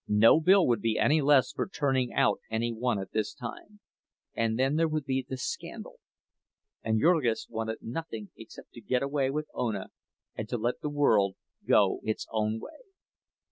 No bill would be any less for turning out any one at this time; and then there would be the scandal—and Jurgis wanted nothing except to get away with Ona and to let the world go its own way.